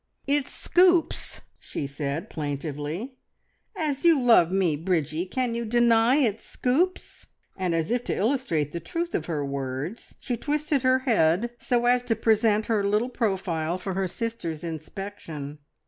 "It scoops!" she said plaintively. "As you love me, Bridgie, can you deny it scoops?" And as if to illustrate the truth of her words she twisted her head so as to present her little profile for her sister's inspection.